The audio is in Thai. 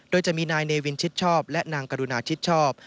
โดยจะมีนายเนวินชิดชอบและนางกรุณาชิดชอบ